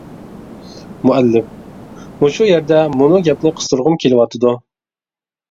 مۇئەللىپ: مۇشۇ يەردە مۇنۇ گەپنى قىستۇرغۇم كېلىۋاتىدۇ.